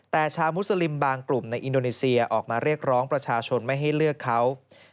แต่ชาวมุสลิมบางกลุ่มในอินโดนีเซียออกมาเรียกร้องประชาชนไม่ให้เลือกเขา